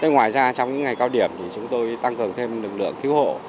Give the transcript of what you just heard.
ngoài ra trong ngày cao điểm chúng tôi tăng cường thêm lực lượng cứu hộ